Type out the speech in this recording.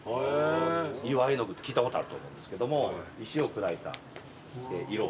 岩絵の具って聞いたことあると思うんですけども石を砕いた色を作って。